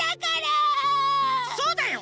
そうだよ！